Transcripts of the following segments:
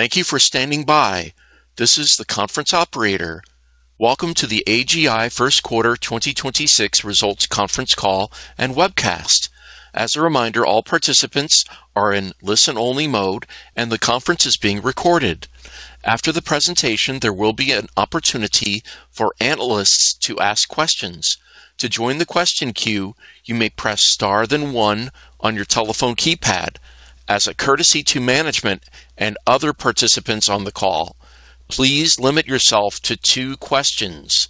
Welcome to the AGI First Quarter 2026 Results Conference Call and Webcast. As a reminder, all participants are in listen-only mode, and the conference is being recorded. After the presentation, there will be an opportunity for analysts to ask questions. As a courtesy to management and other participants on the call, please limit yourself to two questions.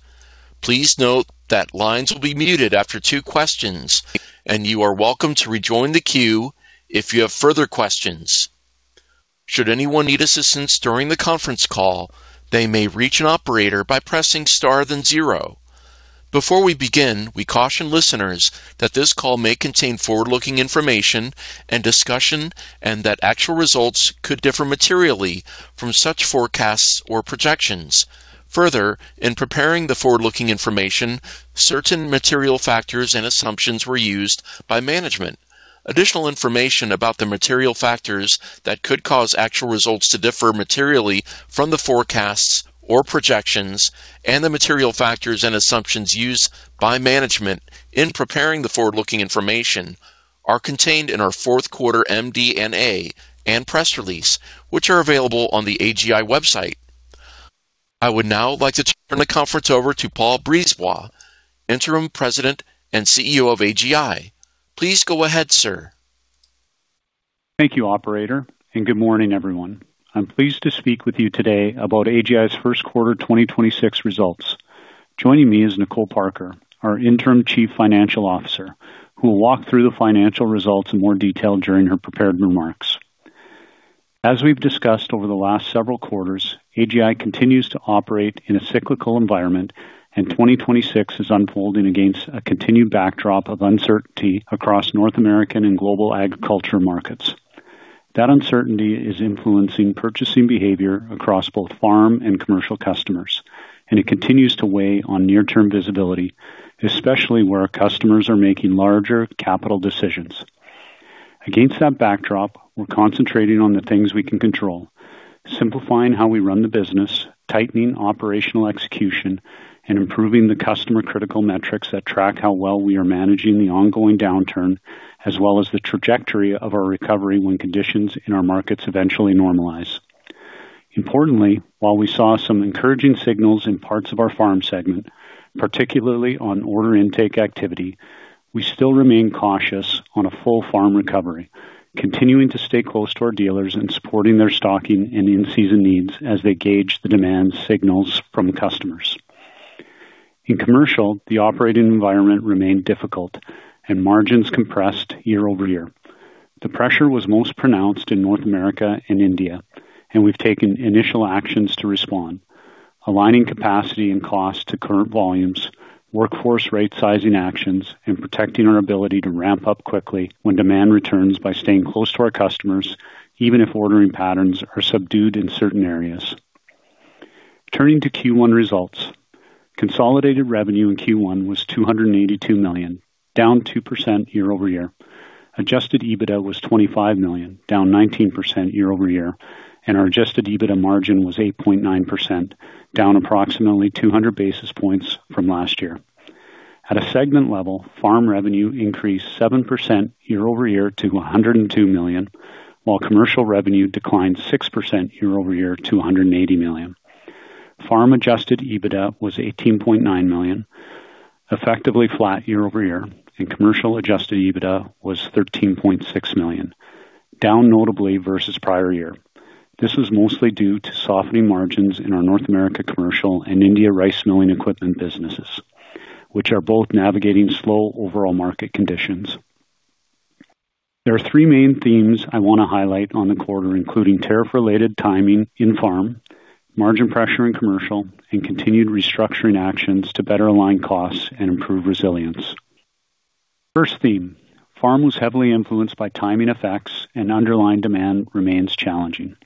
Please note that lines will be muted after two questions, and you are welcome to rejoin the queue if you have further questions. Before we begin, we caution listeners that this call may contain forward-looking information and discussion and that actual results could differ materially from such forecasts or projections. Further, in preparing the forward-looking information, certain material factors and assumptions were used by management. Additional information about the material factors that could cause actual results to differ materially from the forecasts or projections and the material factors and assumptions used by management in preparing the forward-looking information are contained in our fourth quarter MD&A and press release, which are available on the AGI website. I would now like to turn the conference over to Paul Brisebois, Interim President and CEO of AGI. Please go ahead, sir. Thank you, operator, and good morning, everyone. I'm pleased to speak with you today about AGI's first quarter 2026 results. Joining me is Nicolle Parker, our Interim Chief Financial Officer, who will walk through the financial results in more detail during her prepared remarks. As we've discussed over the last several quarters, AGI continues to operate in a cyclical environment, and 2026 is unfolding against a continued backdrop of uncertainty across North American and global agriculture markets. That uncertainty is influencing purchasing behavior across both farm and commercial customers, and it continues to weigh on near-term visibility, especially where our customers are making larger capital decisions. Against that backdrop, we're concentrating on the things we can control, simplifying how we run the business, tightening operational execution, and improving the customer critical metrics that track how well we are managing the ongoing downturn, as well as the trajectory of our recovery when conditions in our markets eventually normalize. Importantly, while we saw some encouraging signals in parts of our farm segment, particularly on order intake activity, we still remain cautious on a full farm recovery, continuing to stay close to our dealers and supporting their stocking and in-season needs as they gauge the demand signals from customers. In commercial, the operating environment remained difficult and margins compressed year-over-year. The pressure was most pronounced in North America and India, and we've taken initial actions to respond, aligning capacity and cost to current volumes, workforce right sizing actions, and protecting our ability to ramp up quickly when demand returns by staying close to our customers, even if ordering patterns are subdued in certain areas. Turning to Q1 results. Consolidated revenue in Q1 was 282 million, down 2% year-over-year. Adjusted EBITDA was 25 million, down 19% year-over-year, and our adjusted EBITDA margin was 8.9%, down approximately 200 basis points from last year. At a segment level, farm revenue increased 7% year-over-year to 102 million, while commercial revenue declined 6% year-over-year to 180 million. Farm-adjusted EBITDA was 18.9 million, effectively flat year-over-year, and Commercial adjusted EBITDA was 13.6 million, down notably versus prior year. This was mostly due to softening margins in our North America Commercial and India rice milling equipment businesses, which are both navigating slow overall market conditions. There are three main themes I wanna highlight on the quarter, including tariff-related timing in Farm, margin pressure in Commercial, and continued restructuring actions to better align costs and improve resilience. First theme, Farm was heavily influenced by timing effects and underlying demand remains challenging.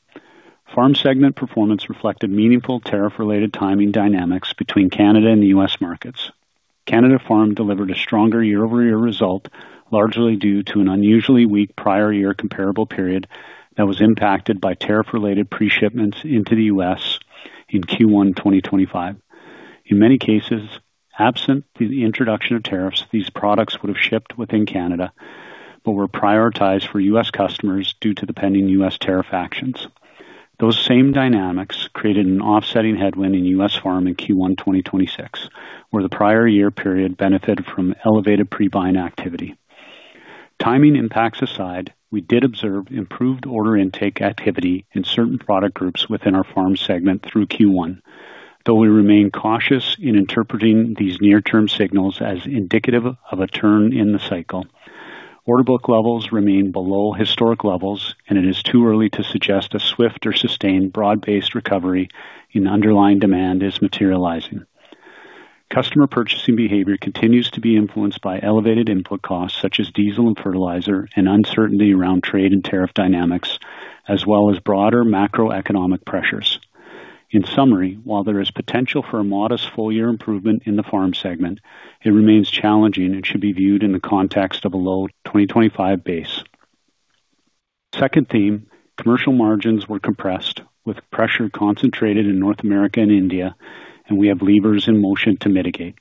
Farm segment performance reflected meaningful tariff-related timing dynamics between Canada and the U.S. markets. Canada Farm delivered a stronger year-over-year result, largely due to an unusually weak prior year comparable period that was impacted by tariff-related pre-shipments into the U.S. in Q1 2025. In many cases, absent the introduction of tariffs, these products would have shipped within Canada but were prioritized for U.S. customers due to the pending U.S. tariff actions. Those same dynamics created an offsetting headwind in U.S. farm in Q1 2026, where the prior year period benefited from elevated pre-buying activity. Timing impacts aside, we did observe improved order intake activity in certain product groups within our farm segment through Q1. Though we remain cautious in interpreting these near-term signals as indicative of a turn in the cycle. Order book levels remain below historic levels, and it is too early to suggest a swift or sustained broad-based recovery in underlying demand is materializing. Customer purchasing behavior continues to be influenced by elevated input costs, such as diesel and fertilizer, and uncertainty around trade and tariff dynamics, as well as broader macroeconomic pressures. In summary, while there is potential for a modest full year improvement in the farm segment, it remains challenging and should be viewed in the context of a low 2025 base. Second theme, commercial margins were compressed with pressure concentrated in North America and India, and we have levers in motion to mitigate.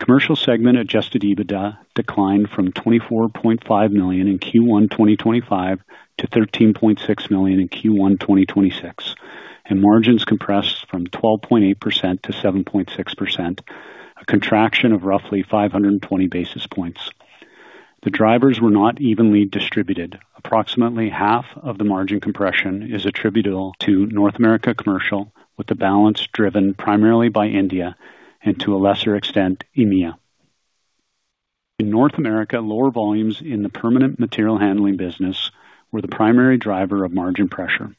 Commercial segment adjusted EBITDA declined from CAD 24.5 million in Q1 2025 to CAD 13.6 million in Q1 2026, and margins compressed from 12.8% to 7.6%, a contraction of roughly 520 basis points. The drivers were not evenly distributed. Approximately half of the margin compression is attributable to North America Commercial, with the balance driven primarily by India and to a lesser extent, EMEA. In North America, lower volumes in the permanent material handling business were the primary driver of margin pressure.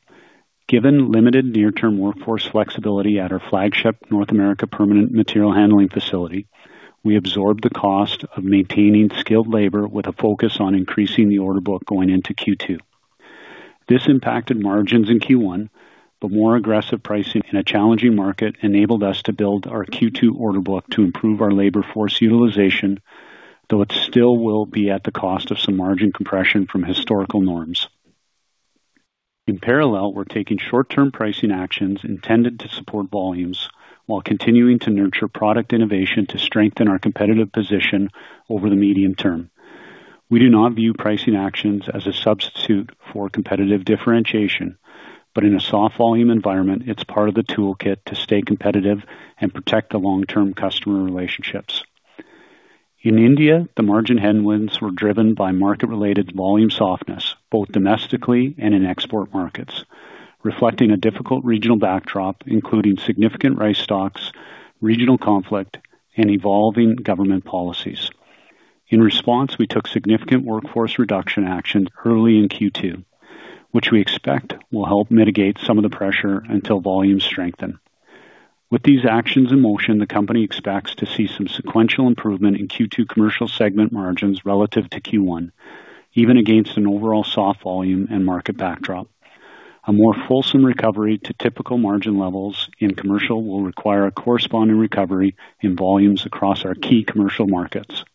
Given limited near-term workforce flexibility at our flagship North America permanent material handling facility, we absorbed the cost of maintaining skilled labor with a focus on increasing the order book going into Q2. This impacted margins in Q1, but more aggressive pricing in a challenging market enabled us to build our Q2 order book to improve our labor force utilization, though it still will be at the cost of some margin compression from historical norms. In parallel, we're taking short-term pricing actions intended to support volumes while continuing to nurture product innovation to strengthen our competitive position over the medium-term. We do not view pricing actions as a substitute for competitive differentiation, but in a soft volume environment, it's part of the toolkit to stay competitive and protect the long-term customer relationships. In India, the margin headwinds were driven by market-related volume softness, both domestically and in export markets, reflecting a difficult regional backdrop, including significant rice stocks, regional conflict, and evolving government policies. In response, we took significant workforce reduction action early in Q2, which we expect will help mitigate some of the pressure until volumes strengthen. With these actions in motion, the company expects to see some sequential improvement in Q2 commercial segment margins relative to Q1, even against an overall soft volume and market backdrop. A more fulsome recovery to typical margin levels in commercial will require a corresponding recovery in volumes across our key commercial markets.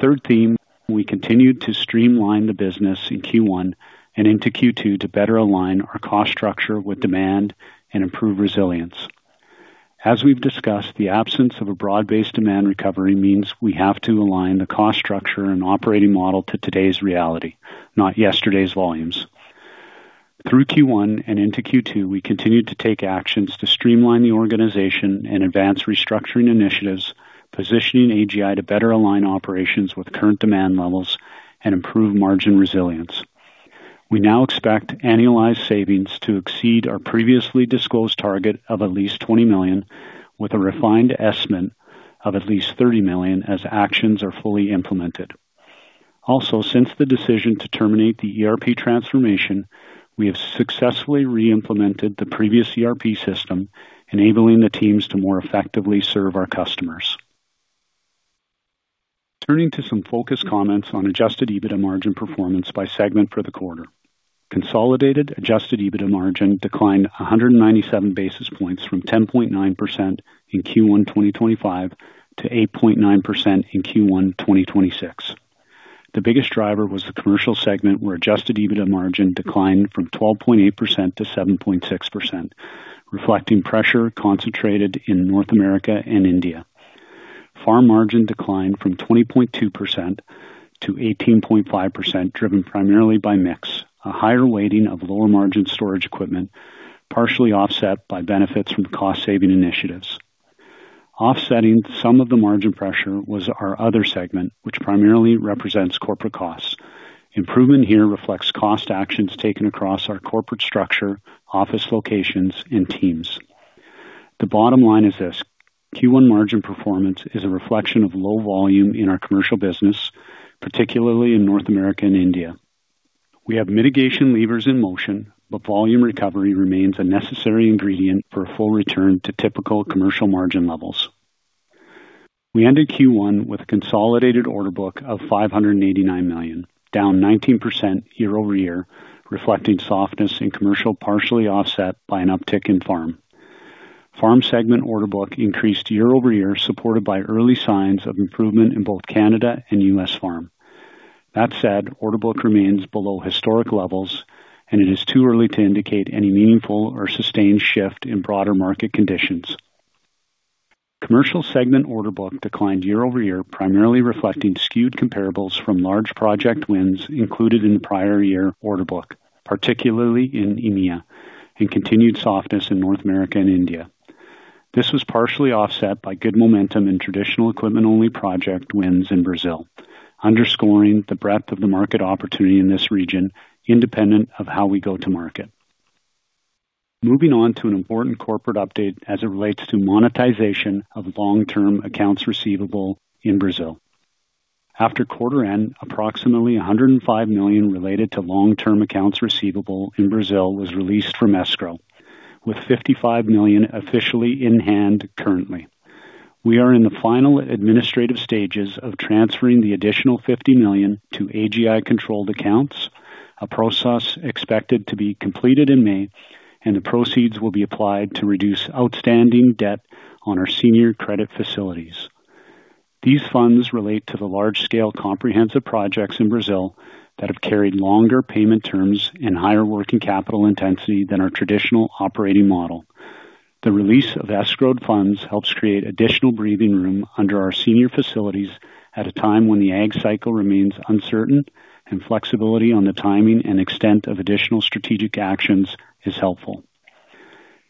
Third theme, we continued to streamline the business in Q1 and into Q2 to better align our cost structure with demand and improve resilience. As we've discussed, the absence of a broad-based demand recovery means we have to align the cost structure and operating model to today's reality, not yesterday's volumes. Through Q1 and into Q2, we continued to take actions to streamline the organization and advance restructuring initiatives, positioning AGI to better align operations with current demand levels and improve margin resilience. We now expect annualized savings to exceed our previously disclosed target of at least 20 million, with a refined estimate of at least 30 million as actions are fully implemented. Since the decision to terminate the ERP transformation, we have successfully re-implemented the previous ERP system, enabling the teams to more effectively serve our customers. Turning to some focused comments on adjusted EBITDA margin performance by segment for the quarter. Consolidated adjusted EBITDA margin declined 197 basis points from 10.9% in Q1 2025 to 8.9% in Q1 2026. The biggest driver was the Commercial segment, where adjusted EBITDA margin declined from 12.8% to 7.6%, reflecting pressure concentrated in North America and India. Farm margin declined from 20.2% to 18.5%, driven primarily by mix, a higher weighting of lower margin storage equipment, partially offset by benefits from cost-saving initiatives. Offsetting some of the margin pressure was our Other segment, which primarily represents corporate costs. Improvement here reflects cost actions taken across our corporate structure, office locations, and teams. The bottom line is this: Q1 margin performance is a reflection of low volume in our commercial business, particularly in North America and India. Volume recovery remains a necessary ingredient for a full return to typical commercial margin levels. We ended Q1 with a consolidated order book of 589 million, down 19% year-over-year, reflecting softness in commercial, partially offset by an uptick in Farm. Farm segment order book increased year-over-year, supported by early signs of improvement in both Canada and U.S. farm. That said, order book remains below historic levels. It is too early to indicate any meaningful or sustained shift in broader market conditions. Commercial segment order book declined year-over-year, primarily reflecting skewed comparables from large project wins included in the prior year order book, particularly in EMEA, and continued softness in North America and India. This was partially offset by good momentum in traditional equipment-only project wins in Brazil, underscoring the breadth of the market opportunity in this region independent of how we go to market. Moving on to an important corporate update as it relates to monetization of long-term accounts receivable in Brazil. After quarter end, approximately 105 million related to long-term accounts receivable in Brazil was released from escrow, with 55 million officially in hand currently. We are in the final administrative stages of transferring the additional 50 million to AGI-controlled accounts, a process expected to be completed in May, and the proceeds will be applied to reduce outstanding debt on our senior credit facilities. These funds relate to the large-scale comprehensive projects in Brazil that have carried longer payment terms and higher working capital intensity than our traditional operating model. The release of escrowed funds helps create additional breathing room under our senior facilities at a time when the ag cycle remains uncertain and flexibility on the timing and extent of additional strategic actions is helpful.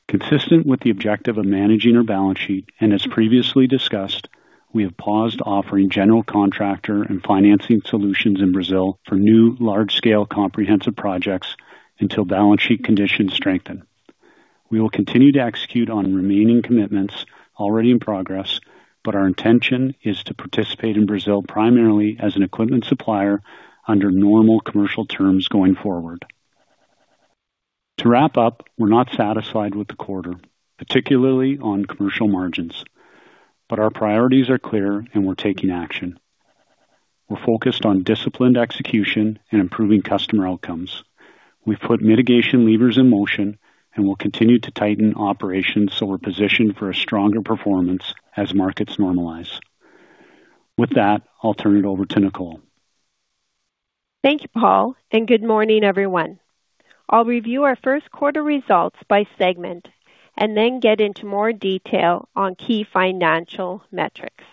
Consistent with the objective of managing our balance sheet and as previously discussed, we have paused offering general contractor and financing solutions in Brazil for new large-scale comprehensive projects until balance sheet conditions strengthen. We will continue to execute on remaining commitments already in progress. Our intention is to participate in Brazil primarily as an equipment supplier under normal commercial terms going forward. To wrap up, we're not satisfied with the quarter, particularly on commercial margins. Our priorities are clear and we're taking action. We're focused on disciplined execution and improving customer outcomes. We've put mitigation levers in motion and will continue to tighten operations so we're positioned for a stronger performance as markets normalize. With that, I'll turn it over to Nicolle. Thank you, Paul. Good morning, everyone. I'll review our first quarter results by segment and then get into more detail on key financial metrics.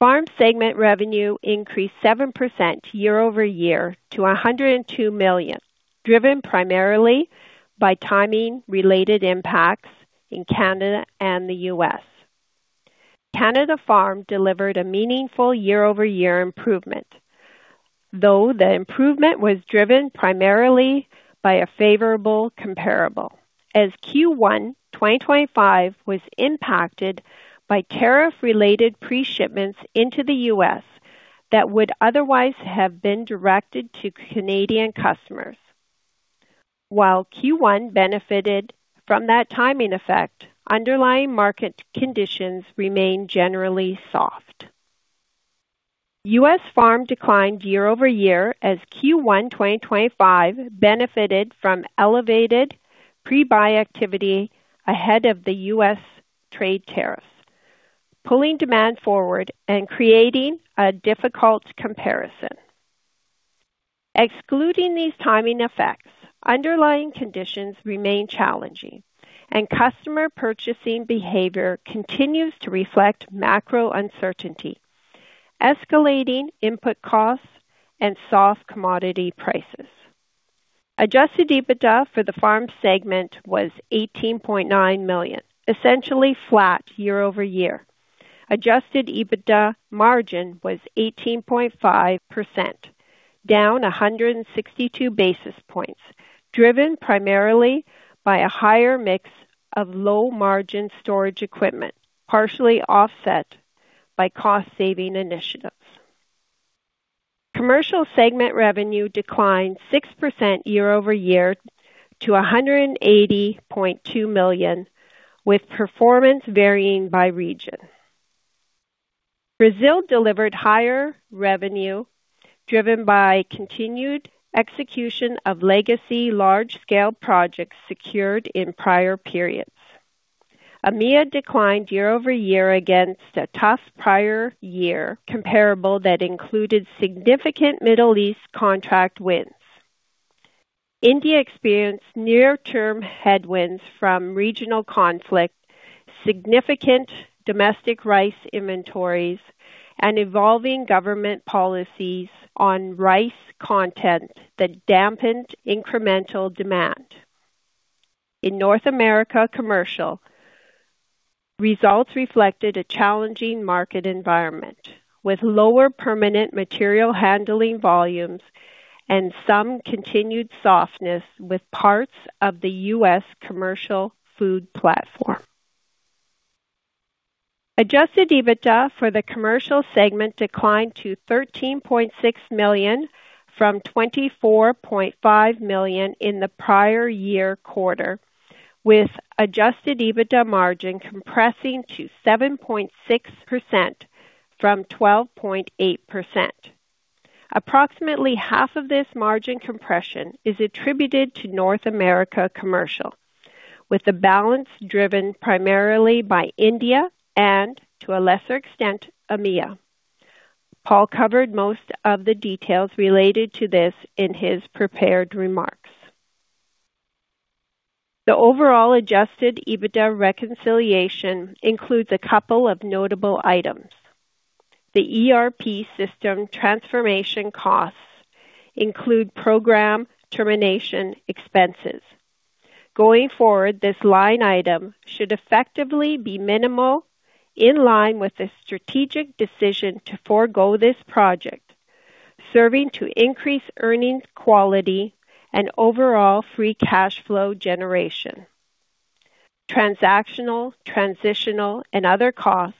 Farm segment revenue increased 7% year-over-year to 102 million, driven primarily by timing-related impacts in Canada and the U.S. Canada Farm delivered a meaningful year-over-year improvement, though the improvement was driven primarily by a favorable comparable as Q1 2025 was impacted by tariff-related pre-shipments into the U.S. that would otherwise have been directed to Canadian customers. While Q1 benefited from that timing effect, underlying market conditions remain generally soft. U.S. Farm declined year-over-year as Q1 2025 benefited from elevated pre-buy activity ahead of the U.S. trade tariffs, pulling demand forward and creating a difficult comparison. Excluding these timing effects, underlying conditions remain challenging and customer purchasing behavior continues to reflect macro uncertainty, escalating input costs and soft commodity prices. Adjusted EBITDA for the Farm segment was 18.9 million, essentially flat year-over-year. Adjusted EBITDA margin was 18.5%, down 162 basis points, driven primarily by a higher mix of low-margin storage equipment, partially offset by cost-saving initiatives. Commercial segment revenue declined 6% year-over-year to 180.2 million, with performance varying by region. Brazil delivered higher revenue, driven by continued execution of legacy large-scale projects secured in prior periods. EMEA declined year-over-year against a tough prior year comparable that included significant Middle East contract wins. India experienced near-term headwinds from regional conflict, significant domestic rice inventories, and evolving government policies on rice content that dampened incremental demand. In North America Commercial, results reflected a challenging market environment with lower permanent material handling volumes and some continued softness with parts of the U.S. commercial food platform. Adjusted EBITDA for the Commercial Segment declined to 13.6 million from 24.5 million in the prior year quarter, with adjusted EBITDA margin compressing to 7.6% from 12.8%. Approximately half of this margin compression is attributed to North America Commercial, with the balance driven primarily by India and, to a lesser extent, EMEA. Paul covered most of the details related to this in his prepared remarks. The overall adjusted EBITDA reconciliation includes a couple of notable items. The ERP system transformation costs include program termination expenses. Going forward, this line item should effectively be minimal, in line with the strategic decision to forego this project, serving to increase earnings quality and overall free cash flow generation. Transactional, transitional, and other costs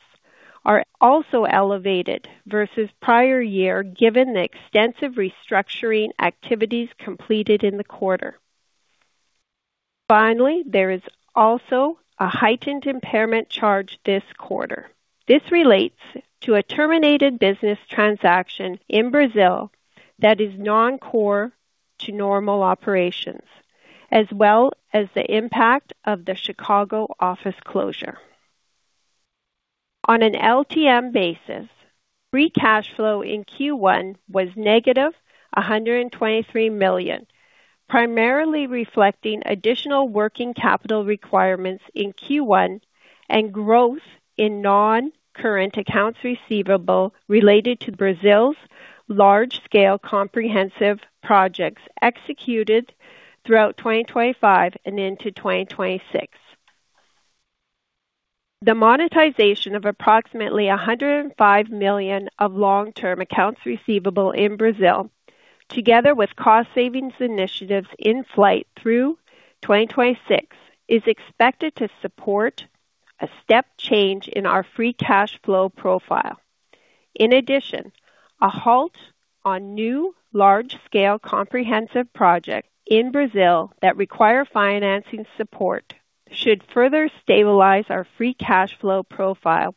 are also elevated versus prior year given the extensive restructuring activities completed in the quarter. Finally, there is also a heightened impairment charge this quarter. This relates to a terminated business transaction in Brazil that is non-core to normal operations, as well as the impact of the Chicago office closure. On an LTM basis, free cash flow in Q1 was negative 123 million, primarily reflecting additional working capital requirements in Q1 and growth in non-current accounts receivable related to Brazil's large scale comprehensive projects executed throughout 2025 and into 2026. The monetization of approximately 105 million of long-term accounts receivable in Brazil, together with cost savings initiatives in flight through 2026, is expected to support a step change in our free cash flow profile. In addition, a halt on new large-scale comprehensive projects in Brazil that require financing support should further stabilize our free cash flow profile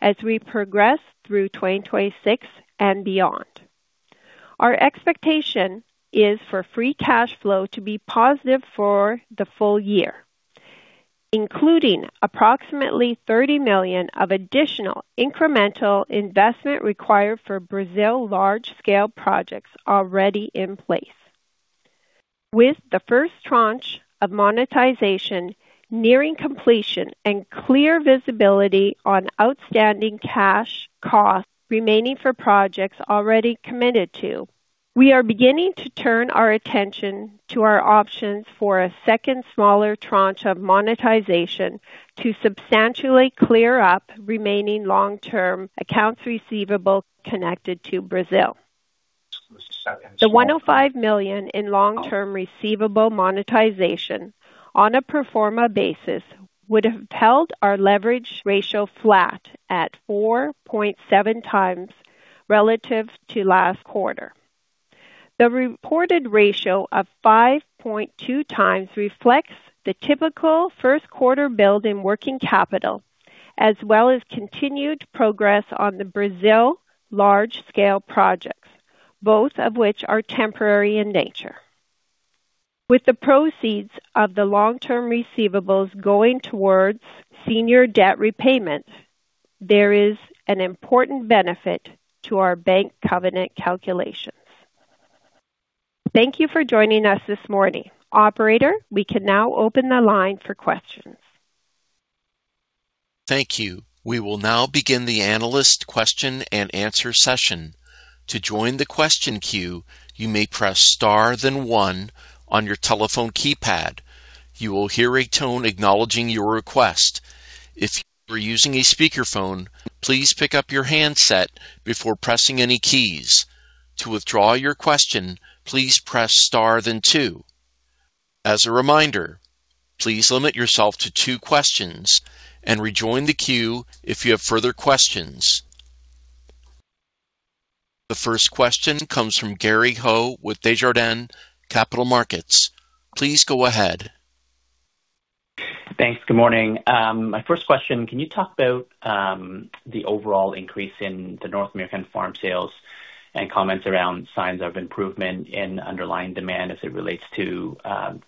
as we progress through 2026 and beyond. Our expectation is for free cash flow to be positive for the full year, including approximately 30 million of additional incremental investment required for Brazil large-scale projects already in place. With the first tranche of monetization nearing completion and clear visibility on outstanding cash costs remaining for projects already committed to, we are beginning to turn our attention to our options for a second smaller tranche of monetization to substantially clear up remaining long-term accounts receivable connected to Brazil. The 1.5 million in long-term receivable monetization on a pro forma basis would have held our leverage ratio flat at 4.7 times relative relative to last quarter. The reported ratio of 5.2 times reflects the typical 1st quarter build in working capital as well as continued progress on the Brazil large scale projects, both of which are temporary in nature. With the proceeds of the long-term receivables going towards senior debt repayments, there is an important benefit to our bank covenant calculations. Thank you for joining us this morning. Operator, we can now open the line for questions. Thank you. We will now begin the analyst question and answer session. The first question comes from Gary Ho with Desjardins Capital Markets. Please go ahead. Thanks. Good morning. My first question, can you talk about the overall increase in the North American farm sales and comments around signs of improvement in underlying demand as it relates to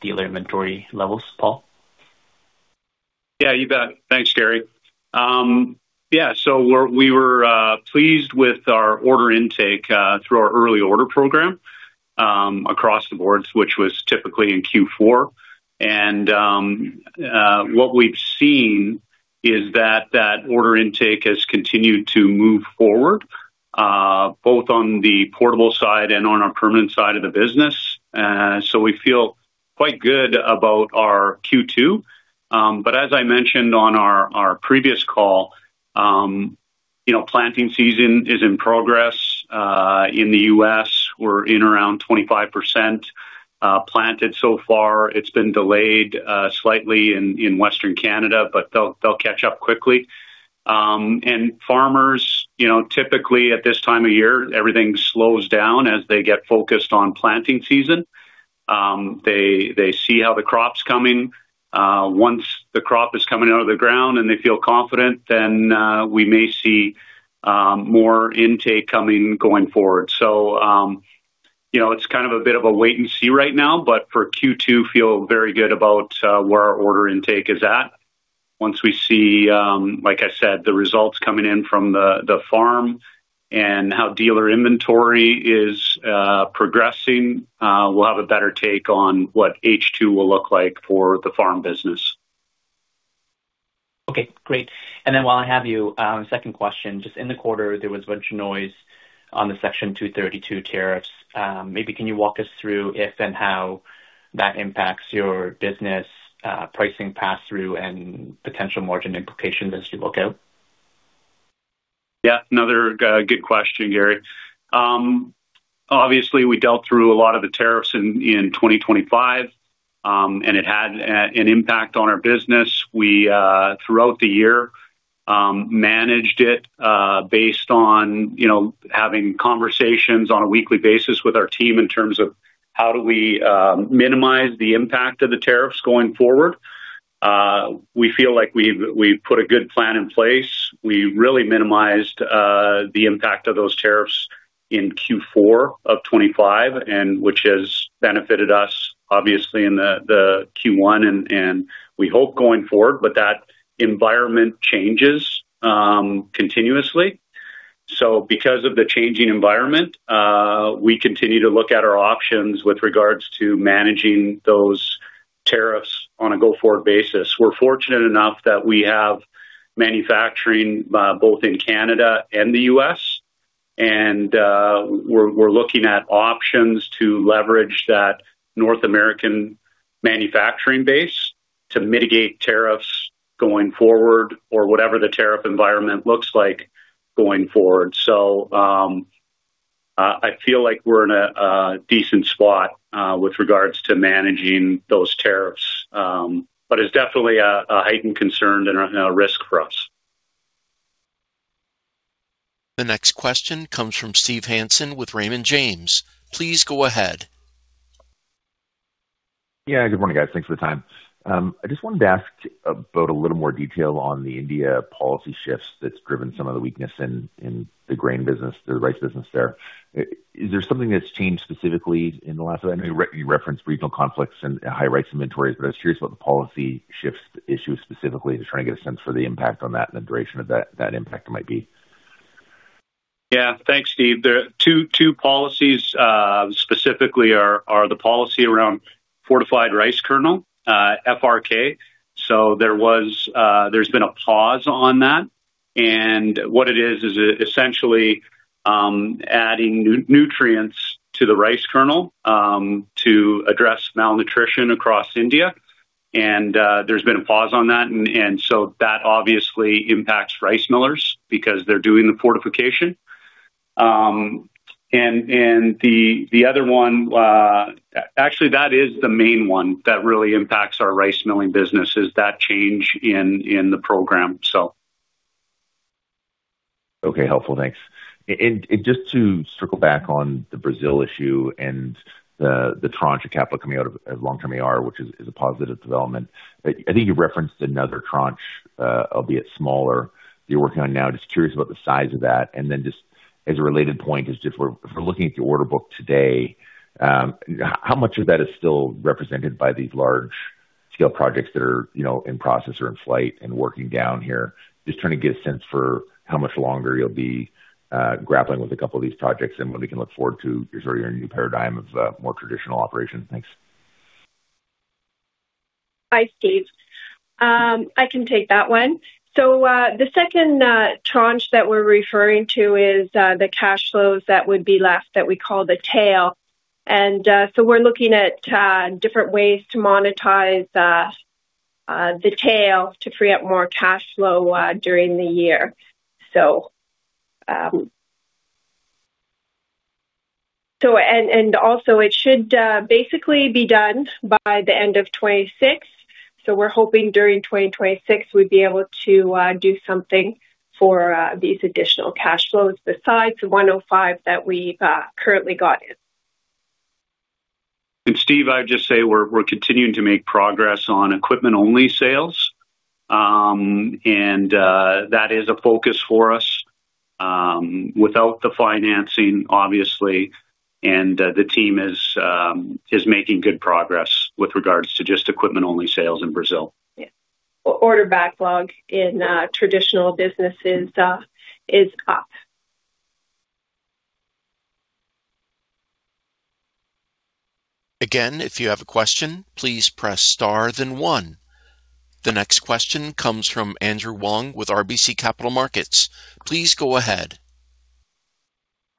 dealer inventory levels, Paul? Yeah, you bet. Thanks, Gary. We were pleased with our order intake through our early order program across the board, which was typically in Q4. What we've seen is that that order intake has continued to move forward both on the portable side and on our permanent side of the business. We feel quite good about our Q2. As I mentioned on our previous call, you know, planting season is in progress in the U.S. We're in around 25% planted so far. It's been delayed slightly in Western Canada, they'll catch up quickly. Farmers, you know, typically at this time of year, everything slows down as they get focused on planting season. They see how the crop's coming. Once the crop is coming out of the ground and they feel confident, then we may see more intake coming going forward. You know, it is kind of a bit of a wait and see right now, but for Q2, feel very good about where our order intake is at. Once we see, like I said, the results coming in from the farm and how dealer inventory is progressing, we will have a better take on what H2 will look like for the farm business. Okay, great. While I have you, second question, just in the quarter, there was a bunch of noise on the Section 232 tariffs. Maybe can you walk us through if and how that impacts your business, pricing pass-through, and potential margin implications as you look out? Another good question, Gary. Obviously, we dealt through a lot of the tariffs in 2025. It had an impact on our business. We throughout the year managed it, you know, based on having conversations on a weekly basis with our team in terms of how do we minimize the impact of the tariffs going forward. We feel like we've put a good plan in place. We really minimized the impact of those tariffs in Q4 of 2025 and which has benefited us obviously in Q1 and we hope going forward. That environment changes continuously. Because of the changing environment, we continue to look at our options with regards to managing those tariffs on a go-forward basis. We're fortunate enough that we have manufacturing both in Canada and the U.S., and we're looking at options to leverage that North American manufacturing base to mitigate tariffs going forward or whatever the tariff environment looks like going forward. I feel like we're in a decent spot with regards to managing those tariffs. It's definitely a heightened concern and a risk for us. The next question comes from Steve Hansen with Raymond James. Please go ahead. Good morning, guys. Thanks for the time. I just wanted to ask about a little more detail on the India policy shifts that's driven some of the weakness in the grain business, the rice business there. Is there something that's changed specifically in the last event? You referenced regional conflicts and high rice inventories, but I was curious about the policy shifts issue specifically, just trying to get a sense for the impact on that and the duration of that impact might be. Yeah. Thanks, Steve. The two policies specifically are the policy around fortified rice kernel, FRK. There's been a pause on that. What it is essentially adding nutrients to the rice kernel to address malnutrition across India. There's been a pause on that and so that obviously impacts rice millers because they're doing the fortification. The other one actually, that is the main one that really impacts our rice milling business is that change in the program. Okay. Helpful. Thanks. Just to circle back on the Brazil issue and the tranche of capital coming out of long-term AR, which is a positive development. I think you referenced another tranche, albeit smaller, you're working on now. Just curious about the size of that. Just as a related point is if we're looking at the order book today, how much of that is still represented by these large scale projects that are, you know, in process or in flight and working down here? Just trying to get a sense for how much longer you'll be grappling with a couple of these projects and when we can look forward to sort of your new paradigm of more traditional operations. Thanks. Hi, Steve. I can take that one. The second tranche that we're referring to is the cash flows that would be left that we call the tail. We're looking at different ways to monetize the tail to free up more cash flow during the year. Also, it should basically be done by the end of 2026. We're hoping during 2026 we'd be able to do something for these additional cash flows besides the 105 that we've currently got in. Steve, I would just say we're continuing to make progress on equipment-only sales. And that is a focus for us, without the financing obviously, and the team is making good progress with regards to just equipment-only sales in Brazil. Yeah. Order backlog in traditional businesses is up. The next question comes from Andrew Wong with RBC Capital Markets. Please go ahead.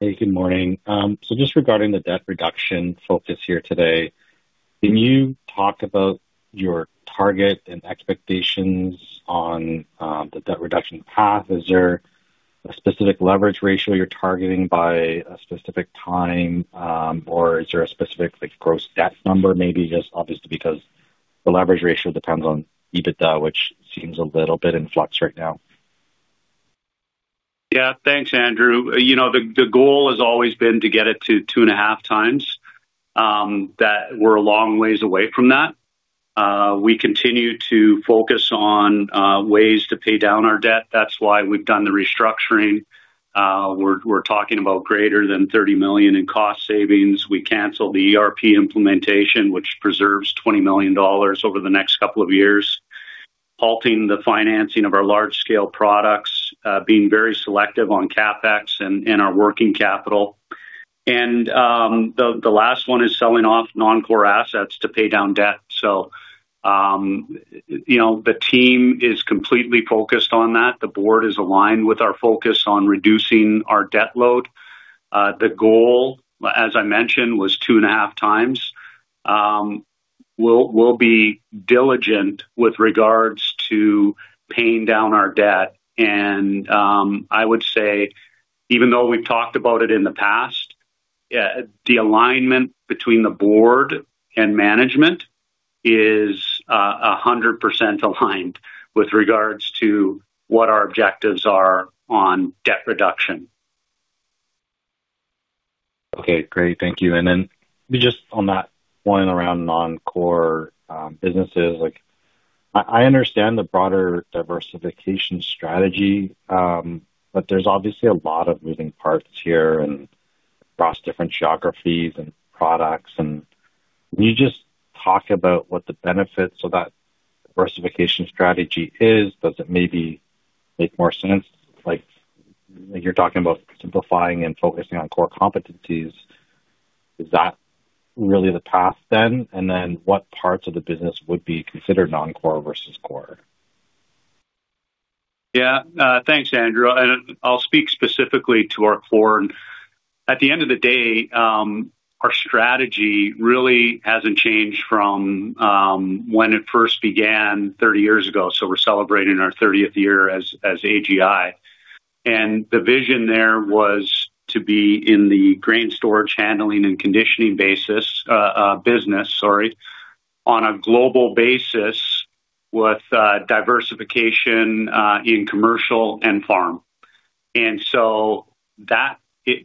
Hey, good morning. Just regarding the debt reduction focus here today, can you talk about your target and expectations on the debt reduction path? Is there a specific leverage ratio you're targeting by a specific time? Or is there a specific, like, gross debt number maybe? Just obviously because the leverage ratio depends on EBITDA, which seems a little bit in flux right now. Thanks, Andrew. You know, the goal has always been to get it to 2.5 times, that we're a long ways away from that. We continue to focus on ways to pay down our debt. That's why we've done the restructuring. We're talking about greater than 30 million in cost savings. We canceled the ERP implementation, which preserves 20 million dollars over the next couple of years. Halting the financing of our large scale products, being very selective on CapEx and our working capital. The last one is selling off non-core assets to pay down debt. You know, the team is completely focused on that. The board is aligned with our focus on reducing our debt load. The goal, as I mentioned, was 2.5 times. We'll be diligent with regards to paying down our debt. I would say even though we've talked about it in the past, yeah, the alignment between the board and management is 100% aligned with regards to what our objectives are on debt reduction. Okay, great. Thank you. Just on that point around non-core businesses, I understand the broader diversification strategy, but there's obviously a lot of moving parts here and across different geographies and products. Can you just talk about what the benefits of that diversification strategy is? Does it maybe make more sense? Like, you're talking about simplifying and focusing on core competencies. Is that really the path then? What parts of the business would be considered non-core versus core? Thanks, Andrew. I'll speak specifically to our core. At the end of the day, our strategy really hasn't changed from when it first began 30 years ago, so we're celebrating our 30th year as AGI. The vision there was to be in the grain storage handling and conditioning business on a global basis with diversification in commercial and farm. That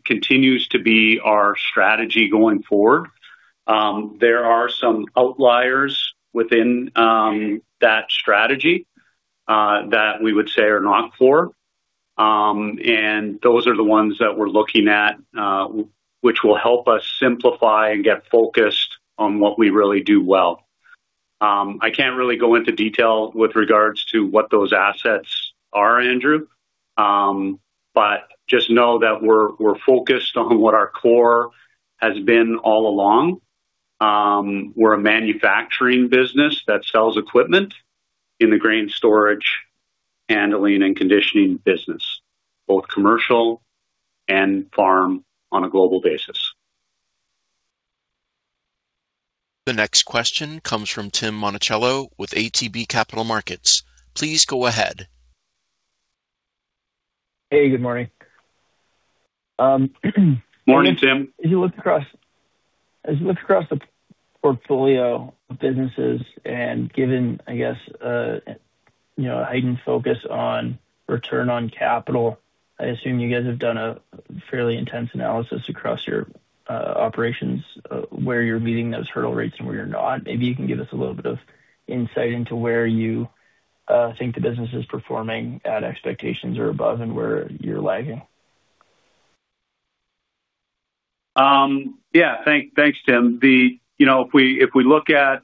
continues to be our strategy going forward. There are some outliers within that strategy that we would say are not core. Those are the ones that we're looking at which will help us simplify and get focused on what we really do well. I can't really go into detail with regards to what those assets are, Andrew, but just know that we're focused on what our core has been all along. We're a manufacturing business that sells equipment in the grain storage, handling, and conditioning business, both commercial and farm on a global basis. The next question comes from Tim Monachello with ATB Capital Markets. Please go ahead. Hey, good morning. Morning, Tim. As you look across the portfolio of businesses and given, I guess, you know, a heightened focus on return on capital, I assume you guys have done a fairly intense analysis across your operations where you're meeting those hurdle rates and where you're not. Maybe you can give us a little bit of insight into where you think the business is performing at expectations or above and where you're lagging. Yeah. Thank, thanks, Tim. You know, if we look at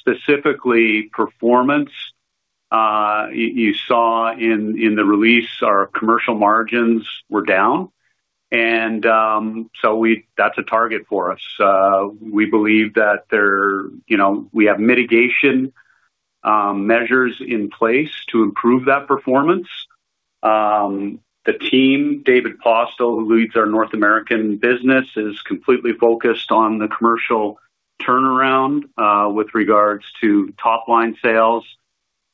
specifically performance, you saw in the release, our commercial margins were down. That's a target for us. We believe that there You know, we have mitigation measures in place to improve that performance. The team, David Postill, who leads our North American business, is completely focused on the commercial turnaround, with regards to top-line sales,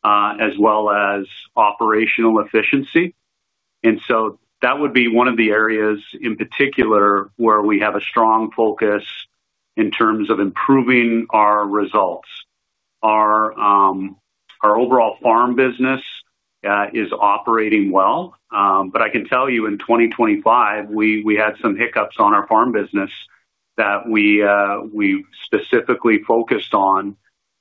as well as operational efficiency. That would be one of the areas in particular where we have a strong focus in terms of improving our results. Our overall farm business is operating well. I can tell you, in 2025, we had some hiccups on our farm business that we specifically focused on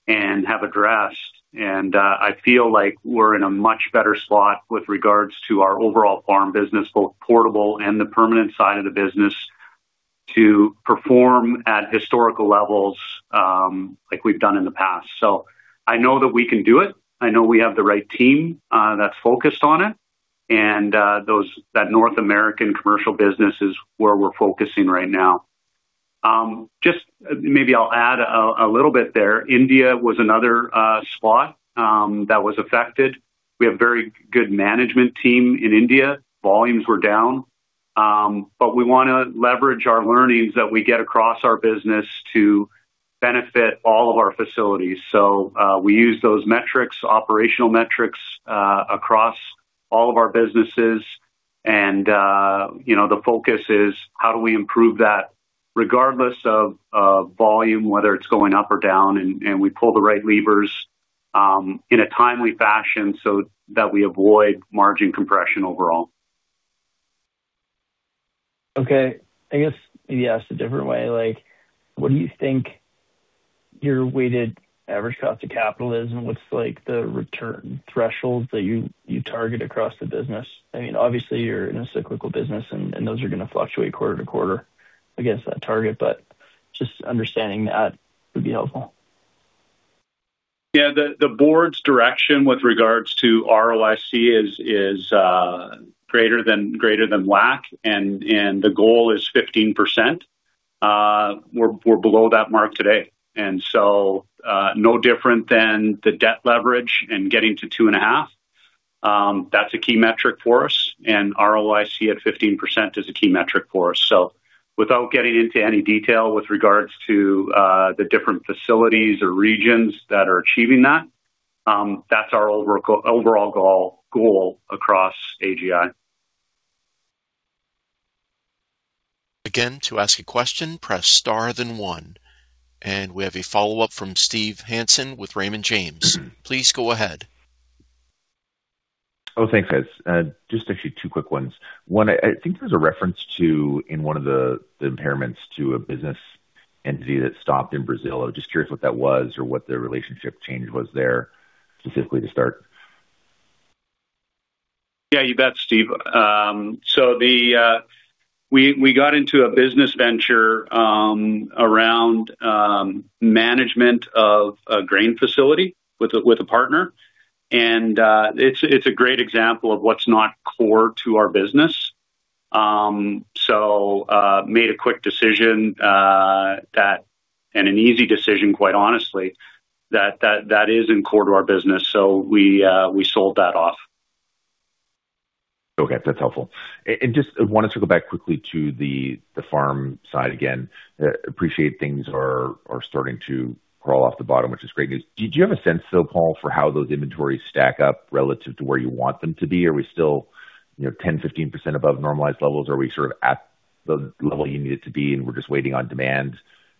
and have addressed. I feel like we're in a much better spot with regards to our overall farm business, both portable and the permanent side of the business, to perform at historical levels, like we've done in the past. I know that we can do it. I know we have the right team that's focused on it. That North American commercial business is where we're focusing right now. Just maybe I'll add a little bit there. India was another spot that was affected. We have very good management team in India. Volumes were down. We wanna leverage our learnings that we get across our business to benefit all of our facilities. We use those metrics, operational metrics, across all of our businesses. You know, the focus is how do we improve that regardless of volume, whether it's going up or down, and we pull the right levers in a timely fashion so that we avoid margin compression overall. Okay. I guess maybe ask a different way. Like, what do you think your weighted average cost of capital is and what's like the return thresholds that you target across the business? I mean, obviously, you're in a cyclical business and those are gonna fluctuate quarter to quarter against that target, but just understanding that would be helpful. Yeah. The board's direction with regards to ROIC is greater than WACC, and the goal is 15%. We're below that mark today. No different than the debt leverage and getting to 2.5, that's a key metric for us, and ROIC at 15% is a key metric for us. Without getting into any detail with regards to the different facilities or regions that are achieving that's our overall goal across AGI. Again, to ask a question, press star then one. We have a follow-up from Steve Hansen with Raymond James. Please go ahead. Thanks, guys. just actually 2 quick ones. One, I think there's a reference to in one of the impairments to a business entity that stopped in Brazil. I'm just curious what that was or what the relationship change was there specifically to start. Yeah, you bet, Steve. So we got into a business venture around management of a grain facility with a partner. It's a great example of what's not core to our business. Made a quick decision that and an easy decision, quite honestly, that isn't core to our business. We sold that off. Okay. That's helpful. Just wanted to go back quickly to the farm side again. Appreciate things are starting to crawl off the bottom, which is great news. Do you have a sense though, Paul, for how those inventories stack up relative to where you want them to be? Are we still, you know, 10%-15% above normalized levels? Are we sort of at the level you need it to be and we're just waiting on demand?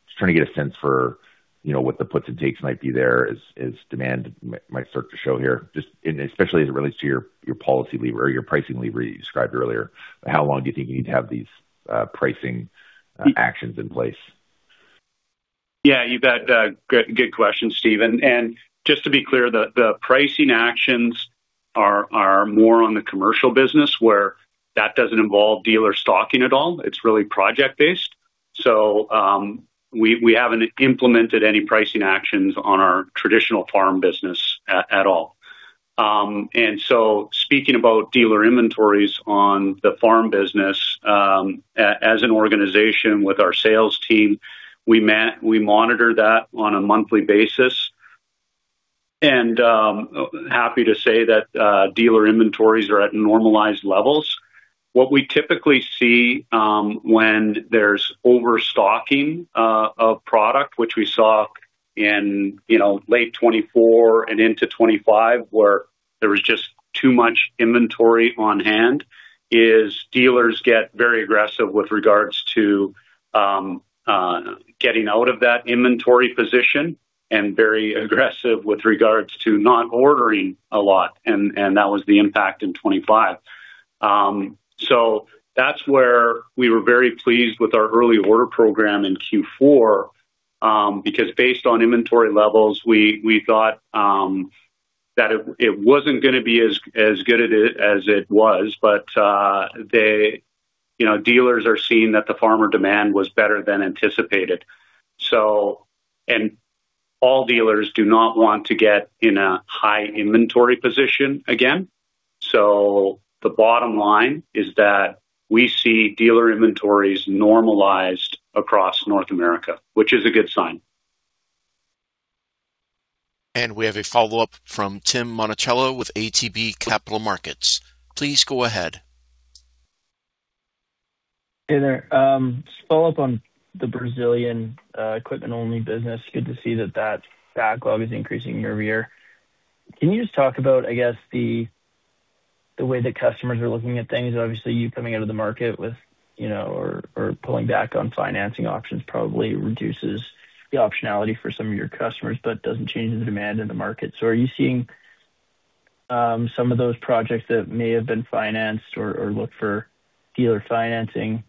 Just trying to get a sense for, you know, what the puts and takes might be there as demand might start to show here. Especially as it relates to your policy lever or your pricing lever you described earlier. How long do you think you need to have these pricing actions in place? Yeah, you bet. Good question, Steve. Just to be clear, the pricing actions are more on the commercial business where that doesn't involve dealer stocking at all. It's really project-based. We haven't implemented any pricing actions on our traditional farm business at all. Speaking about dealer inventories on the farm business, as an organization with our sales team, we monitor that on a monthly basis. Happy to say that dealer inventories are at normalized levels. What we typically see, when there's overstocking of product, which we saw in, you know, late 2024 and into 2025, where there was just too much inventory on hand, is dealers get very aggressive with regards to getting out of that inventory position and very aggressive with regards to not ordering a lot. That was the impact in 2025. That's where we were very pleased with our early order program in Q4. Because based on inventory levels, we thought that it wasn't gonna be as good at it as it was. They, you know, dealers are seeing that the farmer demand was better than anticipated. All dealers do not want to get in a high inventory position again. The bottom line is that we see dealer inventories normalized across North America, which is a good sign. We have a follow-up from Tim Monachello with ATB Capital Markets. Please go ahead. Hey there. Just follow up on the Brazilian equipment only business. Good to see that that backlog is increasing year over year. Can you just talk about, I guess, the way that customers are looking at things? Obviously, you coming out of the market with or pulling back on financing options probably reduces the optionality for some of your customers but doesn't change the demand in the market. Are you seeing some of those projects that may have been financed or look for dealer financing,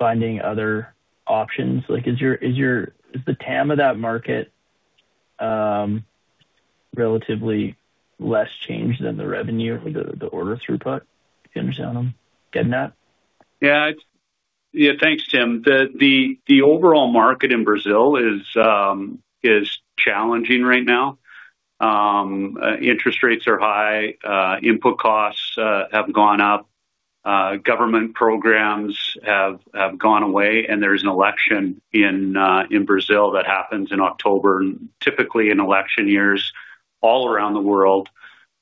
finding other options? Like is your, is the TAM of that market relatively less changed than the revenue or the order throughput? You understand what I'm getting at? Yeah. Yeah, thanks, Tim. The overall market in Brazil is challenging right now. Interest rates are high. Input costs have gone up. Government programs have gone away. There's an election in Brazil that happens in October. Typically, in election years all around the world,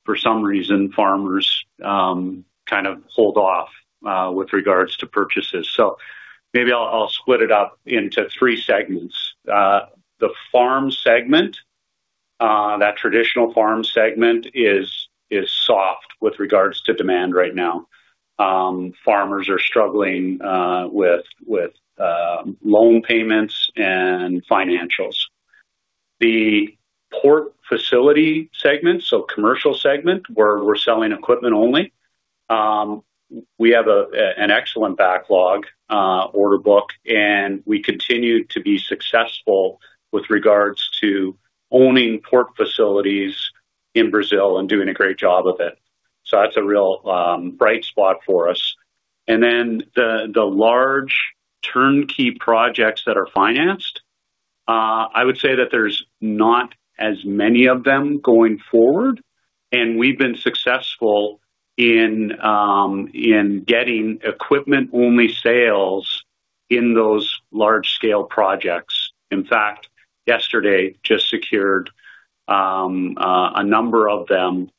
for some reason, farmers kind of hold off with regards to purchases. Maybe I'll split it up into three segments. The farm segment, that traditional farm segment is soft with regards to demand right now. Farmers are struggling with loan payments and financials. The port facility segment, so commercial segment where we're selling equipment only, we have an excellent backlog, order book, and we continue to be successful with regards to owning port facilities in Brazil and doing a great job of it. The large turnkey projects that are financed, I would say that there's not as many of them going forward, and we've been successful in getting equipment only sales in those large scale projects. In fact, yesterday just secured a number of them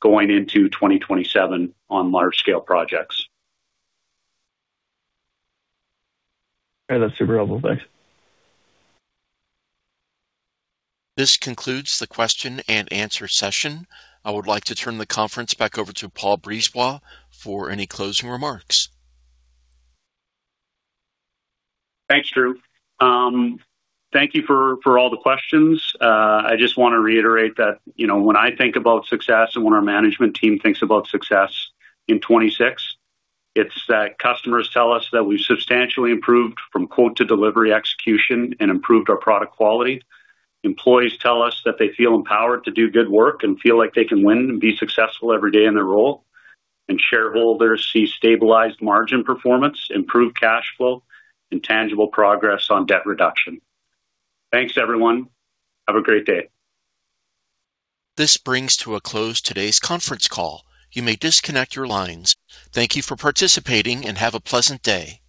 going into 2027 on large scale projects. All right. That's super helpful. Thanks. This concludes the question and answer session. I would like to turn the conference back over to Paul Brisebois for any closing remarks. Thanks, Andrew Wong. Thank you for all the questions. I just wanna reiterate that, you know, when I think about success and when our management team thinks about success in 2026, it's that customers tell us that we've substantially improved from quote to delivery execution and improved our product quality. Employees tell us that they feel empowered to do good work and feel like they can win and be successful every day in their role. Shareholders see stabilized margin performance, improved cash flow, and tangible progress on debt reduction. Thanks, everyone. Have a great day. This brings to a close today's conference call. You may disconnect your lines. Thank you for participating, and have a pleasant day.